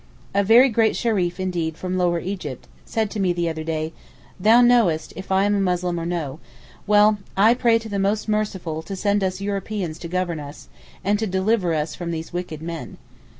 A very great Shereef indeed from lower Egypt, said to me the other day, 'Thou knowest if I am a Muslim or no. Well, I pray to the most Merciful to send us Europeans to govern us, and to deliver us from these wicked men.